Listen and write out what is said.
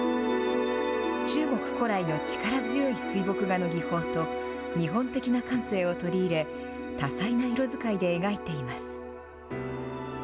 中国古来の力強い水墨画の技法と、日本的な感性を取り入れ、多彩な色使いで描いています。